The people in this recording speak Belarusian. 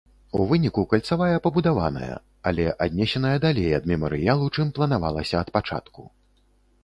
У выніку кальцавая пабудаваная, але аднесеная далей ад мемарыялу, чым планавалася ад пачатку.